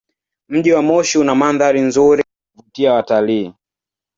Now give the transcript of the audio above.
Mji wa Moshi una mandhari nzuri ya kuvutia watalii.